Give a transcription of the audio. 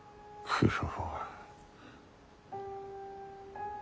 九郎。